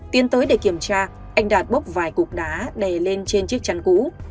tiến tới để kiểm tra anh đạt bóp vài cục đá đè lên trên chiếc chăn cũ